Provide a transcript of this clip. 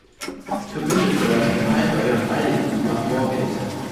Die Verbindung verläuft über Highbury und Islington nach Moorgate.